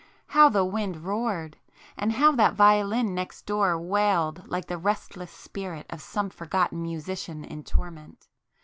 How the wind roared!—and how that violin next door wailed like the restless spirit of some forgotten musician in torment!